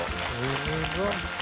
すごい。